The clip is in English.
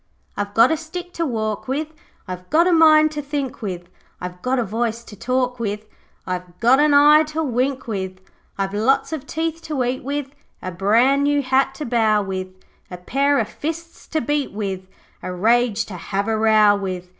'I've got a stick to walk with. I've got a mind to think with. I've got a voice to talk with. I've got an eye to wink with. I've lots of teeth to eat with, A brand new hat to bow with, A pair of fists to beat with, A rage to have a row with.